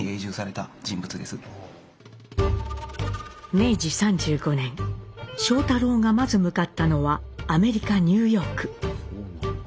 明治３５年庄太郎がまず向かったのはアメリカ・ニューヨーク。